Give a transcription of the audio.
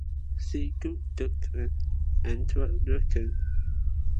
See gooducken and turducken.